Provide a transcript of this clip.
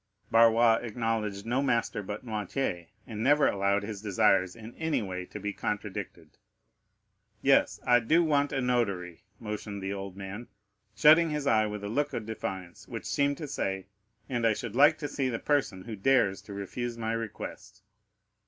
Barrois acknowledged no master but Noirtier, and never allowed his desires in any way to be contradicted. 30171m "Yes, I do want a notary," motioned the old man, shutting his eyes with a look of defiance, which seemed to say, "and I should like to see the person who dares to refuse my request."